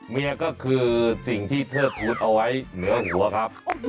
เมียก็คือสิ่งที่เธอพูดเอาไว้เหนือหัวครับ